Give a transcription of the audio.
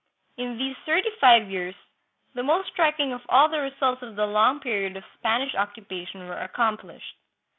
In these thirty five years the most striking of all the results of the long period of Spanish occupation were accomplished.